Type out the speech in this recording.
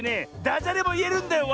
ダジャレもいえるんだよ